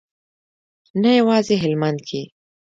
نه یوازې هلمند کې.